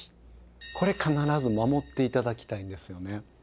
これ必ず守って頂きたいんですよね。